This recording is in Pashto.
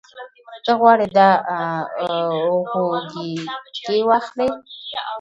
ته غواړې دا غوږيکې واخلې؟